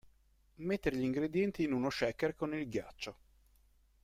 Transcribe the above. Mettere gli ingredienti in uno shaker con il ghiaccio.